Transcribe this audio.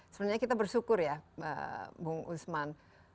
sebenarnya kita bersyukur ya bung usman